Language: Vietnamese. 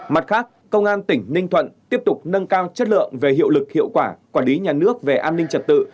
mặt khác công an tỉnh ninh thuận tiếp tục nâng cao chất lượng về hiệu lực hiệu quả quản lý nhà nước về an ninh trật tự